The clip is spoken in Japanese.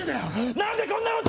何でこんなことに！